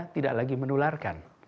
tidak lagi menularkan